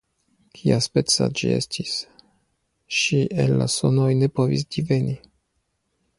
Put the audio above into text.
Kiaspeca ĝi estis, ŝi el la sonoj ne povis diveni.